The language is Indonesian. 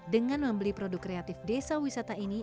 dengan membeli produk kreatif desa wisata ini